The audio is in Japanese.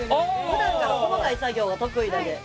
ふだんから細かい作業は得意なんで。